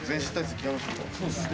そうっすね。